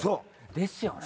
ですよね。